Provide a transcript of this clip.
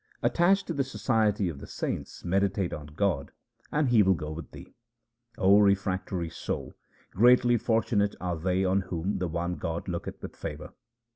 Attached to the society of the saints meditate on God and He will go with thee. O refractory soul, greatly fortunate are they on whom the one God looketh with favour.